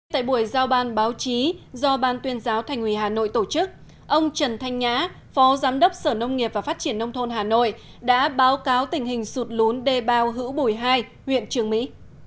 tại buổi giao ban báo chí do ban tuyên giáo thành ủy hà nội tổ chức ông trần thanh nhã phó giám đốc sở nông nghiệp và phát triển nông thôn hà nội đã báo cáo tình hình sụt lún đê bao hữu bùi hai huyện trường mỹ